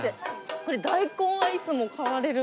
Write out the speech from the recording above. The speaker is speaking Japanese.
これ大根はいつも買われるんですか？